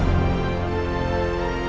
aku akan selalu mencintai kamu